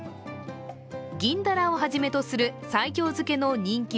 銀鱈をはじめとする西京漬けの人気